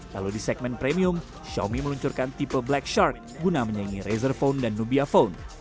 lalu di segmen premium xiaomi meluncurkan tipe black shark guna menyangi razer phone dan nubia phone